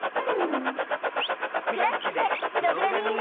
スクラッチでプログラミング！